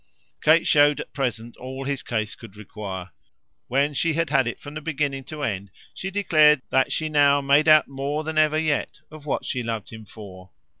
Kate showed at present as much of both as his case could require; when she had had it from beginning to end she declared that she now made out more than ever yet what she loved him for.